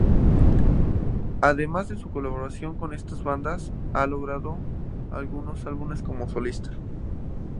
Además de su colaboración con estas bandas, ha grabado algunos álbumes como solista.